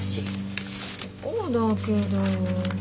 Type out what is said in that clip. そうだけど。